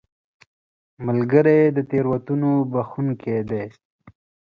ملګری د تېروتنو بخښونکی دی